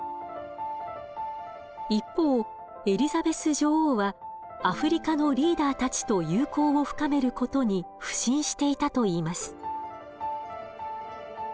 一方エリザベス女王はアフリカのリーダーたちと友好を深めることに腐心していたといいます。